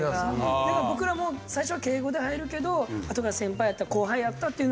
でも僕らも最初は敬語で入るけどあとから先輩やった後輩やったっていうのはよくあります。